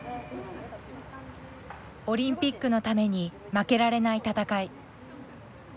オリンピックのために負けられない戦い。